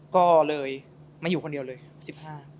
ก็เลยมาอยู่คนเดียวเลยสิบห้า